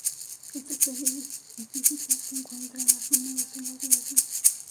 Esta especie es epífita se encuentra en las húmedas selvas de Brasil.